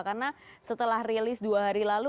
karena setelah rilis dua hari lalu